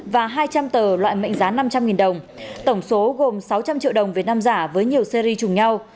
và hai trăm linh tờ loại mệnh giá năm trăm linh đồng tổng số gồm sáu trăm linh triệu đồng việt nam giả với nhiều series chung nhau